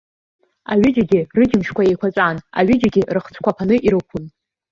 Аҩыџьагьы рыџьымшьқәа еиқәаҵәан, аҩыџьагьы рыхцәқәа ԥаны ирықәын.